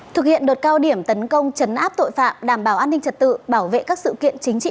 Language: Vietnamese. thực hiện đột cao điểm tấn công chấn áp tội phạm đảm bảo an ninh trật tự bảo vệ các sự kiện chính trị